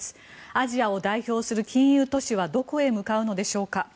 アジアを代表する金融都市はどこへ向かうのでしょうか。